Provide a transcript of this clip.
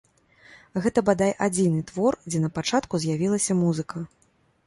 Гэта, бадай, адзіны твор, дзе напачатку з'явілася музыка.